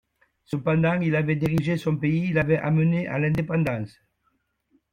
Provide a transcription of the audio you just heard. Cependant, il avait dirigé son pays et l’avait amené à l’indépendance.